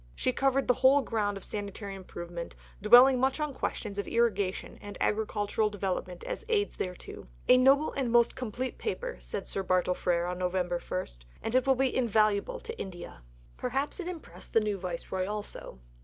She covered the whole ground of sanitary improvement, dwelling much on questions of irrigation and agricultural development as aids thereto. "A noble and a most complete Paper," said Sir Bartle Frere (Nov. 1), "and it will be invaluable to India." Perhaps it impressed the new Viceroy also.